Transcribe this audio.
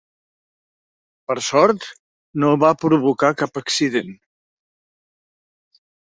Per sort, no va provocar cap accident.